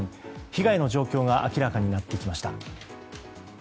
被害の状況が明らかになってきました。